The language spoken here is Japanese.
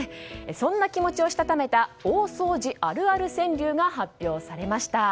そんな気持ちをしたためた大掃除あるある川柳が発表されました。